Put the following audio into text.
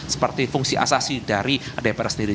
seperti fungsi asasi dari dpr sendiri